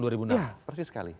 ya persis sekali